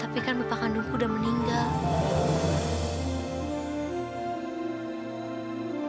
tapi kan bapak kandungku udah meninggal